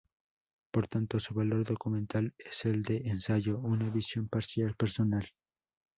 Por tanto, su valor documental es el de "ensayo": una visión parcial, personal.